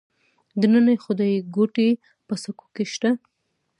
د ننه خدایګوټې په سکو کې شته